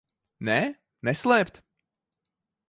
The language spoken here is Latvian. Nē? Neslēpt?